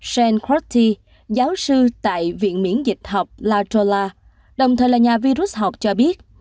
shane crotty giáo sư tại viện miễn dịch học la jolla đồng thời là nhà virus học cho biết